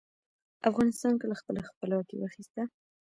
افغانستان کله خپله خپلواکي واخیسته؟